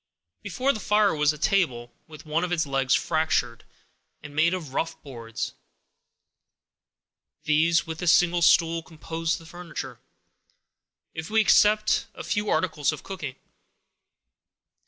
Before the fire was a table, with one of its legs fractured, and made of rough boards; these, with a single stool, composed the furniture, if we except a few articles of cooking.